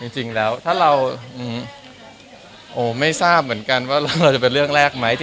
จริงแล้วถ้าเราไม่ทราบเหมือนกันว่าเราจะเป็นเรื่องแรกไหม